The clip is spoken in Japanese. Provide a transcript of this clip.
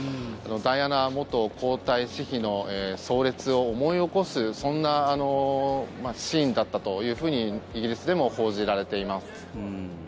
ダイアナ元皇太子妃の葬列を思い起こすそんなシーンだったというふうにイギリスでも報じられています。